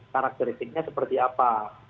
karakteristiknya seperti apa